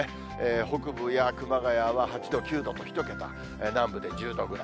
北部や熊谷は８度、９度と１桁、南部で１０度ぐらい。